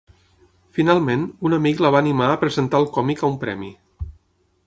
Finalment, un amic la va animar a presentar el còmic a un premi.